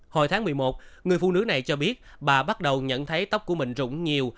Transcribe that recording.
hồi tháng một mươi một người phụ nữ này cho biết bà bắt đầu nhận thấy tóc của mình rụng nhiều